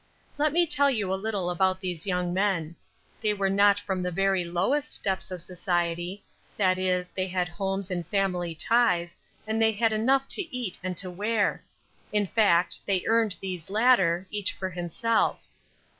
Let me tell you a little about these young men. They were not from the very lowest depths of society; that is, they had homes and family ties, and they had enough to eat and to wear; in fact they earned these latter, each for himself.